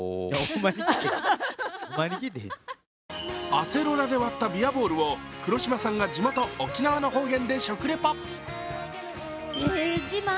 アセロラで割ったビアボールを黒島さんが地元・沖縄の方言で食リポ。